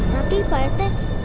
tapi pak rt